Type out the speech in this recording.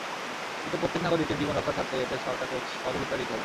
কিন্তু প্রত্যেক নাগরিকের জীবন রক্ষার স্বার্থে এতে সরকারকে সহযোগিতা দিতে হবে।